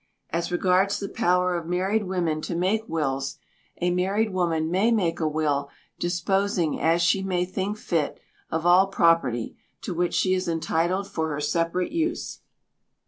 As regards the power of married women to make wills, a married woman may make a will, disposing, as she may think fit, of all property to which she is entitled for her separate use.